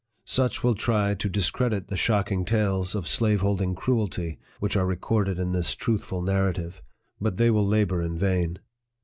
Such will try to discredit the shocking tales of slaveholding cruelty which are recorded in this truthful Narrative ; but they will labor in vain.